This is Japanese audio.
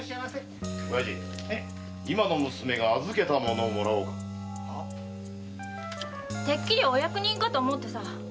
〔今の娘が預けた物をもらおうか〕てっきりお役人かと思ってさ。